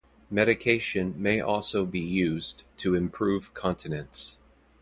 Medication may also be used to improve continence.